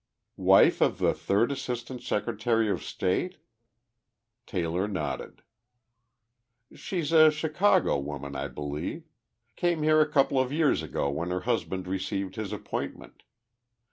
"Wife of the Third Assistant Secretary of State?" Taylor nodded. "She's a Chicago woman, I believe. Came here a couple of years ago when her husband received his appointment.